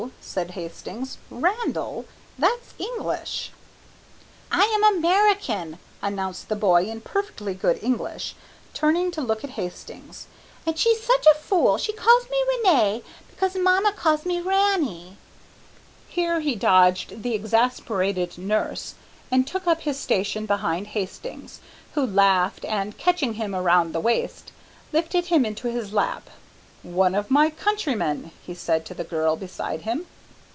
said Hastings, "Randall? that's English." "I am American," announced the boy in perfectly good English, turning to look at Hastings, "and she's such a fool she calls me René because mamma calls me Ranny " Here he dodged the exasperated nurse and took up his station behind Hastings, who laughed, and catching him around the waist lifted him into his lap. "One of my countrymen," he said to the girl beside him.